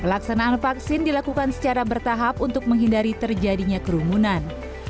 pelaksanaan vaksin dilakukan secara bertahap untuk menghindari terjadinya kerumunan